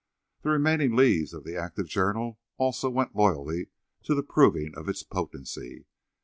The remaining leaves of the active journal also went loyally to the proving of its potency.